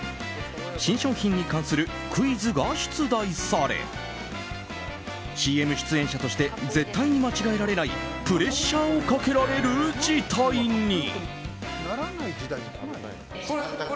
新商品に関するクイズが出題されＣＭ出演者として絶対に間違えられないプレッシャーをかけられる事態に。